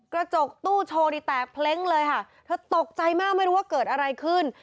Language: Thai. กระจกตู้โชว์นี่แตกเพล้งเลยค่ะเธอตกใจมากไม่รู้ว่าเกิดอะไรขึ้น